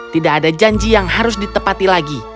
tidak ada janji yang harus ditepati lagi